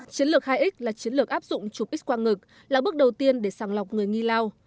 chiến lược hai x là chiến lược áp dụng chụp x quang ngực là bước đầu tiên để sàng lọc người nghi lao